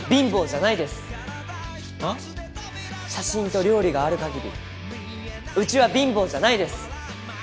写真と料理がある限りうちは貧乏じゃないです！